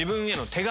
手紙？